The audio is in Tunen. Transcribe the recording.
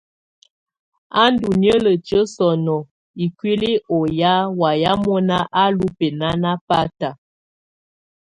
Á ndù niǝ́lǝtiǝ́ sɔnɔ ikuili ù ya wayɛ mɔna á lù bɛnana bata.